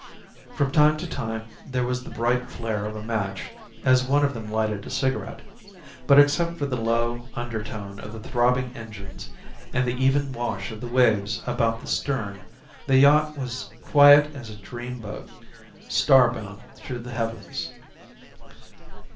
From time to time there was the bright flare of a match as one of them lighted a cigarette, but except for the low under tone of the throbbing engines and the even wash of the waves about the stern the yacht was quiet as a dream boat star bound through the heavens.